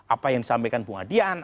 apa yang disampaikan bung adian